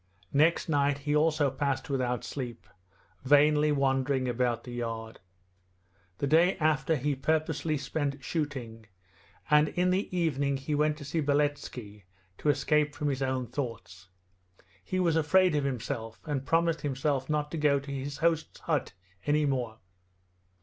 Next night he also passed without sleep, vainly wandering about the yard. The day after he purposely spent shooting, and in the evening he went to see Beletski to escape from his own thoughts. He was afraid of himself, and promised himself not to go to his hosts' hut any more.